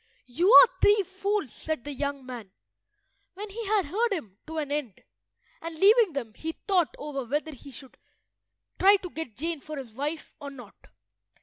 "You are three fools," said the young man, when he had heard him to an end, and leaving them, he thought over whether he should try to get Jane for his wife or not.